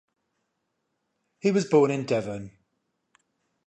He was born in Devon.